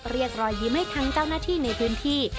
เรียกรอยยิ้มให้ทั้งเจ้าหน้าที่ในพื้นที่